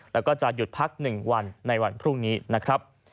แล้วก็จะหยุดพัก๑วันในวันพรุ่งนี้นะครับ